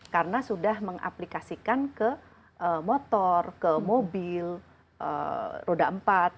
karena sudah mengaplikasikan ke motor ke mobil roda empat